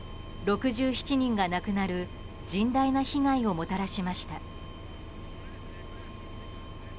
６７人が亡くなる甚大な被害をもたらしました。